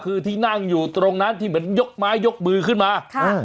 คือที่นั่งอยู่ตรงนั้นที่เหมือนยกไม้ยกมือขึ้นมา